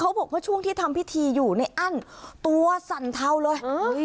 บอกว่าช่วงที่ทำพิธีอยู่ในอั้นตัวสั่นเทาเลย